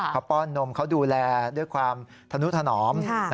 เขาป้อนนมเขาดูแลด้วยความธนุถนอม